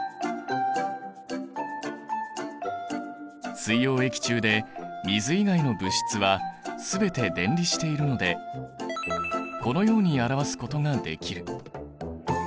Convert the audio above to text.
水溶液中で水以外の物質は全て電離しているのでこのように表すことができる。